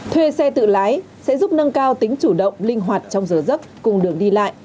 thuê xe tự lái sẽ giúp nâng cao tính chủ động linh hoạt trong giờ giấc cùng đường đi lại